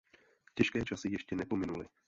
Těžké časy ještě nepominuly.